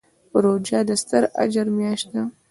روژه د ستر اجر میاشت ده.